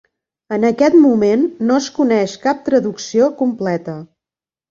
En aquest moment no es coneix cap traducció completa.